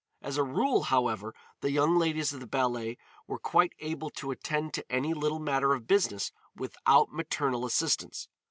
As a rule, however, the young ladies of the ballet were quite able to attend to any little matter of business without maternal assistance.